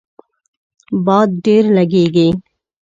باد ډیر لږیږي